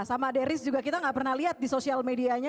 sama deris juga kita nggak pernah lihat di sosial medianya